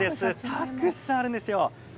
たくさんあるんですよ。